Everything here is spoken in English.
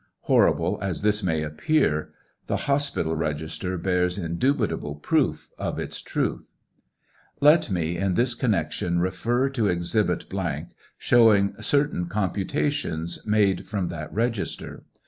Horrible as this may appear, the hospital register bears indubitable proof of its truth. Let me in this connection refer to exhibit —, showing certain computations made from that register.